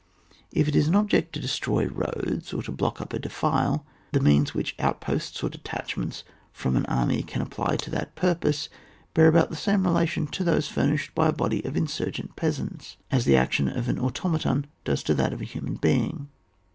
If it is an object to destroy roads or to block up a defile ; the means which outposts or detachments from an army can apply to that purpose, bear about the same relation to those fur nished by a body of insurgent peasants, as the action of an automaton does to that of a human being.